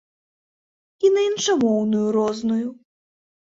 І на іншамоўную розную.